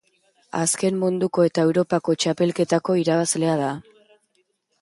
Azken Munduko eta Europako txapelketako irabazlea da.